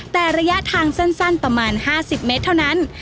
แต่ระยะทางสั้นประมาณ๕๐เมตรเท่านั้น